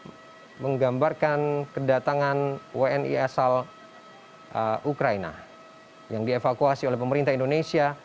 ini menggambarkan kedatangan wni asal ukraina yang dievakuasi oleh pemerintah indonesia